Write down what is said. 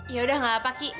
yaudah gak apa ki